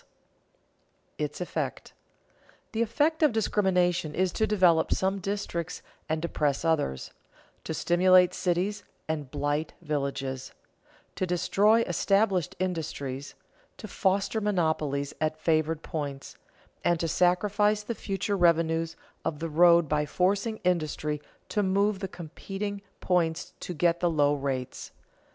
[Sidenote: Its effects] The effect of discrimination is to develop some districts and depress others; to stimulate cities and blight villages; to destroy established industries; to foster monopolies at favored points; and to sacrifice the future revenues of the road by forcing industry to move to the competing points to get the low rates.